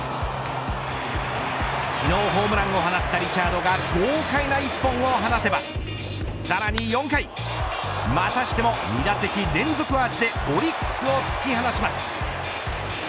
昨日ホームランを放ったリチャードが豪快な一本を放てばさらに４回、またしても２打席連続アーチでオリックスを突き放します。